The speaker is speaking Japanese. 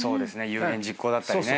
有言実行だったりね。